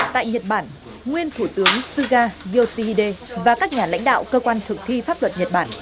tại nhật bản nguyên thủ tướng suga yoshihide và các nhà lãnh đạo cơ quan thực thi pháp luật nhật bản